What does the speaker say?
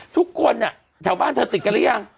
ทุกคนแถวบ้านเธอติดกันหรือยัง